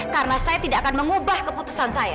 karena saya tidak akan mengubah keputusan saya